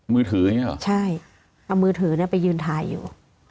มือถืออย่างนี้หรอใช่เอามือถือเนี่ยไปยืนถ่ายอยู่